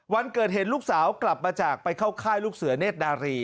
วันเกิดเหตุลูกสาวกลับมาจากไปเข้าค่ายลูกเสือเนธนารี